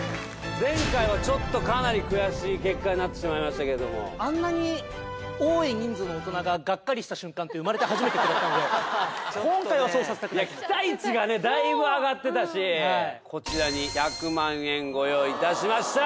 前回はちょっとかなり悔しい結果になってしまいましたけどもあんなにした瞬間って生まれて初めてくらったので今回はそうさせたくない期待値がねだいぶ上がってたしこちらに１００万円ご用意いたしました！